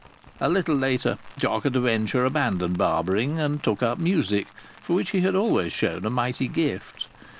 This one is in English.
A little later Jock at a Venture abandoned barbering and took up music, for which he had always shown a mighty gift.